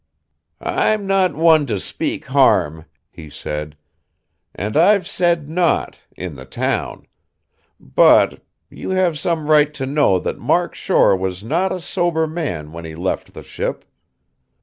"I'm not one to speak harm," he said. "And I've said naught, in the town. But you have some right to know that Mark Shore was not a sober man when he left the ship.